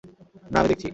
না, আমি দেখছি।